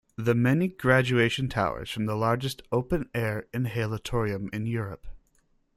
The many graduation towers form the largest open air inhalatorium in Europe.